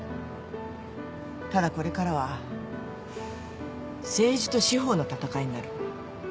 ただこれからは政治と司法の戦いになる。